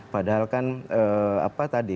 padahal kan apa tadi